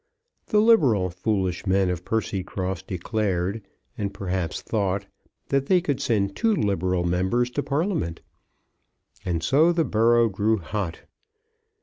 The liberal foolish men of Percycross declared, and perhaps thought, that they could send two liberal members to Parliament. And so the borough grew hot.